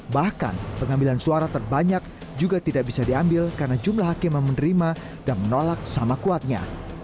bahkan pengambilan suara terbanyak juga tidak bisa diambil karena jumlah hakim yang menerima dan menolak sama kuatnya